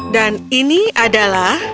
dan ini adalah